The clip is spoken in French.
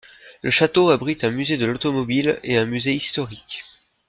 Le château abrite un musée de l’Automobile et un musée historique.